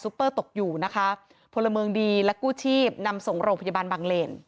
เปอร์ตกอยู่นะคะพลเมืองดีและกู้ชีพนำส่งโรงพยาบาลบางเลน